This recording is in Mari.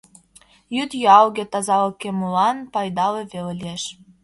Йӱд юалге тазалыкемлан пайдале веле лиеш.